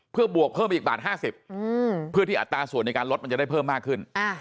เพื่อบวกเพิ่มไปอีกบาท๕๐เพื่อที่อัตราส่วนในการลดมันจะได้เพิ่มมากขึ้น